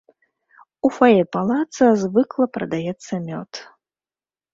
У фае палаца звыкла прадаецца мёд.